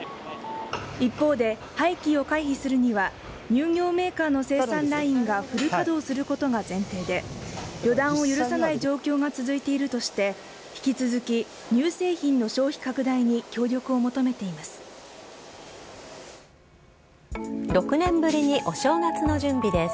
一方で、廃棄を回避するには、乳業メーカーの生産ラインがフル稼働することが前提で、予断を許さない状況が続いているとして、引き続き、乳製品の消費拡大に協力を求めています。